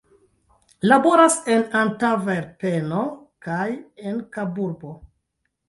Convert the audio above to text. Li laboras en Antverpeno kaj en Kaburbo.